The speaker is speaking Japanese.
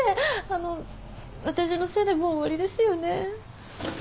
あの私のせいでもう終わりですよね？